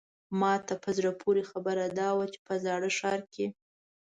ماته په زړه پورې خبره دا وه چې په زاړه ښار کې.